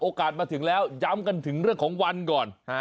มาถึงแล้วย้ำกันถึงเรื่องของวันก่อน